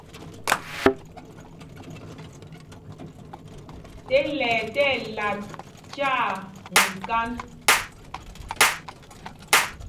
Tela ɛ tí ɛlat tyaa míkānd.